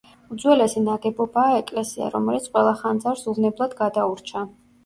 უძველესი ნაგებობაა ეკლესია, რომელიც ყველა ხანძარს უვნებლად გადაურჩა.